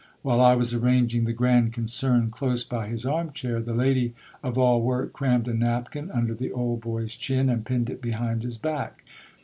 While I was arranging the grand concern close by his arm chair, the lady of all work crammed a napkin under the old boy's chin, and pinned it be hind his back.